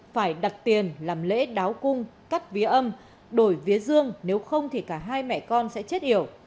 phải đặt tiền làm lễ đáo cung cắt vía âm đổi vía dương nếu không thì cả hai mẹ con sẽ chết hiểu